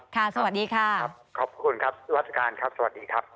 สวัสดีค่ะครับขอบคุณครับราชการครับสวัสดีครับ